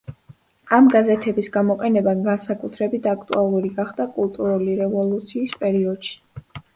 ამ გაზეთების გამოყენება განსაკუთრებით აქტუალური გახდა კულტურული რევოლუციის პერიოდში.